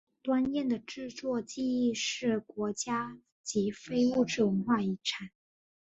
端砚的制作技艺是国家级非物质文化遗产。